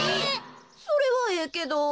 それはええけど。